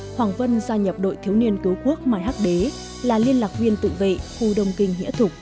hoàng vân gia nhập đội thiếu niên cứu quốc mai hắc đế là liên lạc viên tự vệ khu đông kinh hĩa thục